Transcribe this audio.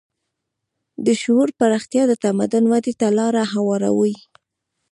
د شعور پراختیا د تمدن ودې ته لاره هواروي.